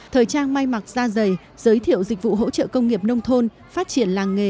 thời trang may mặc da dày giới thiệu dịch vụ hỗ trợ công nghiệp nông thôn phát triển làng nghề